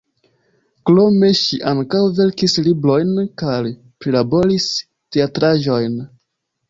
Krome ŝi ankaŭ verkis librojn kaj prilaboris teatraĵojn.